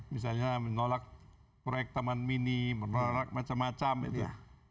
misalnya menolak proyek teman mini menolak macam macam gitu